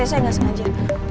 saya gak sengaja